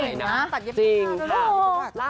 สาวเก่งมากตัดเย็นมาก